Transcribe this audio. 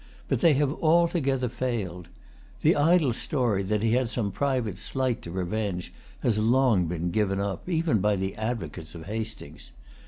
But they have altogether failed. The idle story that he had some private slight to revenge has long been given up, even by the advocates of Hastings.